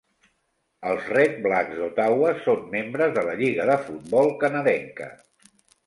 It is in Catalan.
Els Redblacks d'Ottawa són membres de la Lliga de Futbol Canadenca.